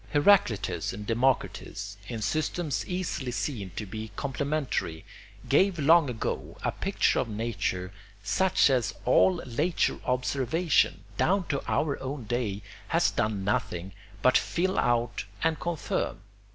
Heraclitus and Democritus, in systems easily seen to be complementary, gave long ago a picture of nature such as all later observation, down to our own day, has done nothing but fill out and confirm.